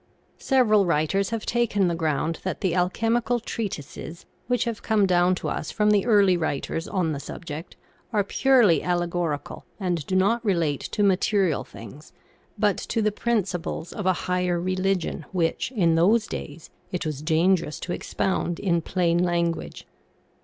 Several writers have taken the ground that the alchemi cal treatises which have come down to us from the early writers on the subject, are purely allegorical and do not relate to material things, but to the principles of a higher religion which, in those days, it was dangerous to expound in plain language.